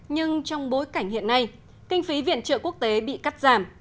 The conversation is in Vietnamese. nhưng trong bối cảnh hiện nay kinh phí viện trợ quốc tế bị cắt giảm